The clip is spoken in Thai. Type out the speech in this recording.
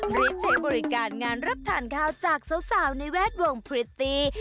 รีบใช้บริการงานรับทานข้าวจากสาวในแวดวงพริตตี้